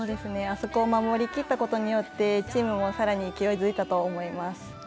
あそこを守りきったことによってチームもさらに勢いづいたと思います。